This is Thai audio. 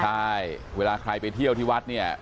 ใช่เวลาใครไปเที่ยวที่วัดเนี่ย